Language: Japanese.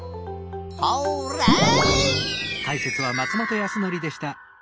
ホーレイ！